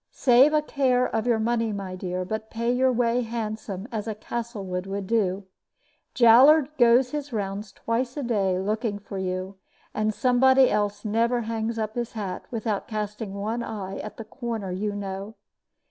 Save a care of your money, my dear; but pay your way handsome, as a Castlewood should do. Jowler goes his rounds twice a day looking for you; and somebody else never hangs his hat up without casting one eye at the corner you know.